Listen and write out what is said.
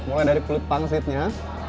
oleh dari kulit pangsitnya